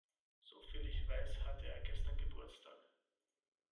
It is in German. Soviel ich weiß, hatte er gestern Geburtstag.